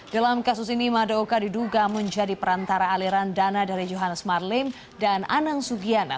dalam kasus ini madaoka diduga menjadi perantara aliran dana dari johannes marlim dan anang sugiana